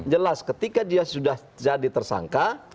jelas ketika dia sudah jadi tersangka